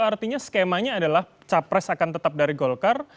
artinya skemanya adalah capres akan tetap dari golkar